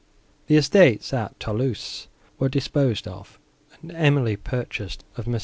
The estates, at Thoulouse, were disposed of, and Emily purchased of Mons.